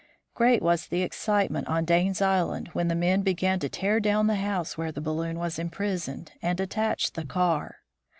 Great was the excitement on Dane's island when the men began to tear down the house where the balloon was imprisoned, and attach the car.